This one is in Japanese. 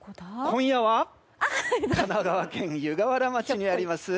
今夜は神奈川県湯河原町にあります